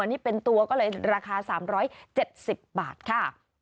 นี่เป็นตัวก็เลยราคา๓๗๐บาทค่ะ